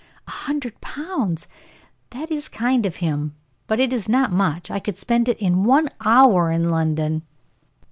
"A hundred pounds! That is kind of him; but it is not much. I could spend it in one hour in London."